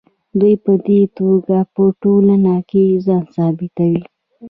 دوی په دې توګه په ټولنه کې ځان ثابتوي.